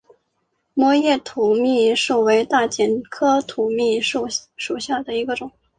膜叶土蜜树为大戟科土蜜树属下的一个种。